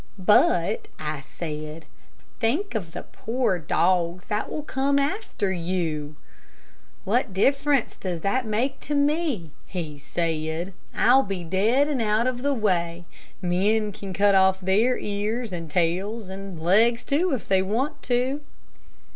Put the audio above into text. "But," I said, "think of the poor dogs that will come after you." "What difference does that make to me?" he said. "I'll be dead and out of the way. Men can cut off their ears, and tails, and legs, too, if they want to."